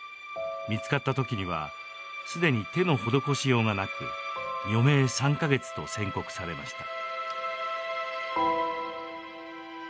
見つかったときにはすでに手の施しようがなく余命３か月と宣告されました。